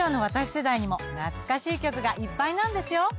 世代にも懐かしい曲がいっぱいなんですよ。